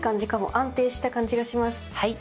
安定した感じがします。